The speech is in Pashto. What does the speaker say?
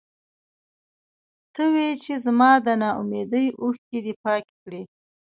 ته وې چې زما د نا اميدۍ اوښکې دې پاکې کړې.